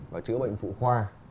và chữa bệnh phụ khoa